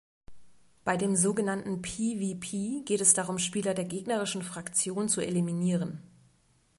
Bei dem sogenannten PvP geht es darum Spieler der gegnerischen Fraktion zu eliminieren.